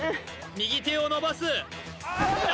右手を伸ばすあ